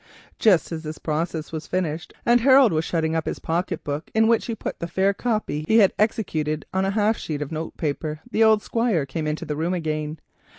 Just as this process was finished and Harold was shutting up his pocket book, in which he put the fair copy he had executed on a half sheet of note paper, the old Squire came into the room again.